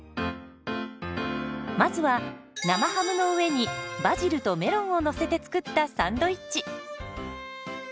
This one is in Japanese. まずは生ハムの上にバジルとメロンをのせて作ったサンドイッチ。